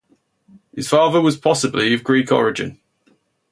His father was possibly of Greek origin.